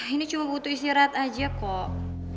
ini cuma butuh istirahat aja kok